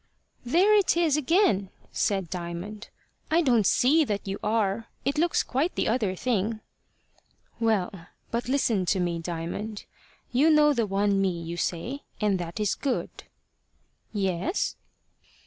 "There it is again," said Diamond. "I don't see that you are. It looks quite the other thing." "Well, but listen to me, Diamond. You know the one me, you say, and that is good." "Yes."